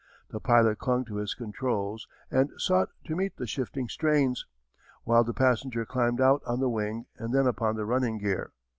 The pilot clung to his controls, and sought to meet the shifting strains, while the passenger climbed out on the wing and then upon the running gear.